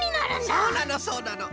そうなのそうなの。